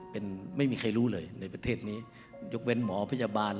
โดยยกเป็นมอบพยาบาล